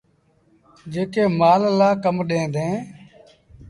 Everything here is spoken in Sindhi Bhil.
جيڪي مآل لآ ڪم ڏيݩ ديٚݩ۔